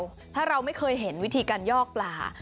ถ้าเราไม่เคยเห็นวิธีการยอกปลา